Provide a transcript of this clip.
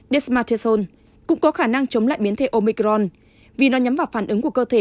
desmartesol cũng có khả năng chống lại biến thể omicron vì nó nhắm vào phản ứng của cơ thể